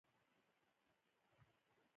آقا زه د دې پیسو لپاره هر کار کوم.